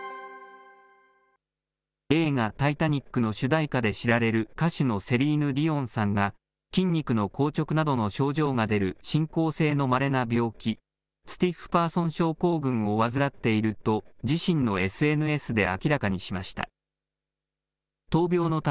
映画、タイタニックの主題歌で知られる、歌手のセリーヌ・ディオンさんが、筋肉の硬直などの症状が出る進行性のまれな病気、スティッフパーソン症候群を患っていると、自身のＳＮＳで明らかにしました。